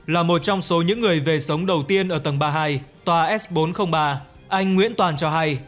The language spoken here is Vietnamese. là một trong số những người về sống đầu tiên ở tầng ba mươi hai tòa s bốn trăm linh ba anh nguyễn toàn cho hay